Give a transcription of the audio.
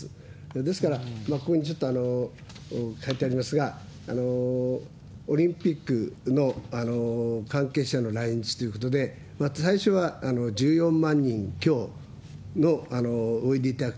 ですから、ここにちょっと書いてありますが、オリンピックの関係者の来日ということで、最初は１４万人強おいでいただく。